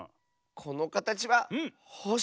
このかたちはほし。